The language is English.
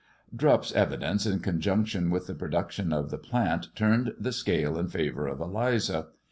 . ^i Drupp's evidence in conjunction with the prodmoU the plant turned the scale in favour of Eliza.